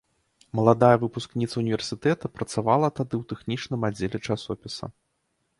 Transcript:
Маладая выпускніца універсітэта працавала тады ў тэхнічным аддзеле часопіса.